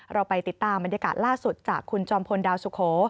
เราไปติดตามบรรยากาศล่าสุดจากคุณจอมพลดาวสุโข